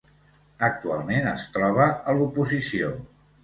Actualment es troba a l'oposició.